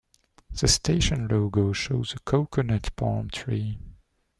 The station logo shows a coconut palm tree.